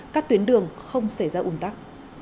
các tuyến đường không xảy ra ung tắc